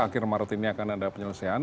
akhir maret ini akan ada penyelesaian